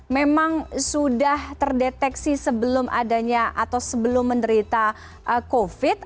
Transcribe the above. memang sudah terdeteksi sebelum adanya atau sebelum menderita covid